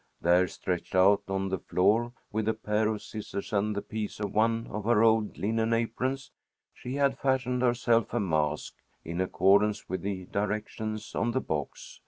There, stretched out on the floor with a pair of scissors and a piece of one of her old linen aprons, she had fashioned herself a mask, in accordance with the directions on the box.